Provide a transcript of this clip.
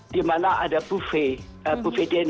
di mana ada buffet